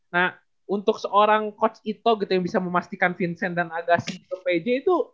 nah untuk seorang coach itu yang bisa memastikan vincent dan agassi ke pj itu